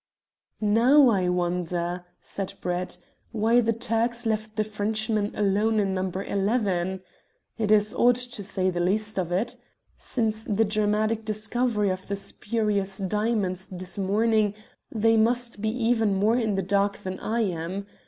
"Now I wonder," said Brett, "why the Turks left the Frenchman alone in No. 11. It is odd, to say the least of it. Since the dramatic discovery of the spurious diamonds this morning they must be even more in the dark than I am.